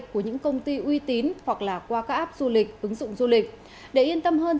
của những công ty uy tín hoặc là qua các app du lịch ứng dụng du lịch để yên tâm hơn